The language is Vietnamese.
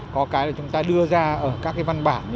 có cái là chúng ta đưa ra ở các cái văn bản